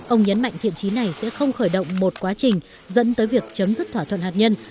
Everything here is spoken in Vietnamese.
ông nhấn mạnh thiện trí này sẽ không khởi động một quá trình dẫn tới việc chấm dứt thỏa thuận hạt nhân